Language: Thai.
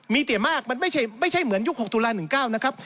มีแต่มากมันไม่ใช่เหมือนยุค๖ตุลา๑๙นะครับ